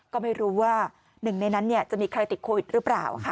ก็ไม่รู้ว่าหนึ่งในนั้นจะมีใครติดโควิดหรือเปล่าค่ะ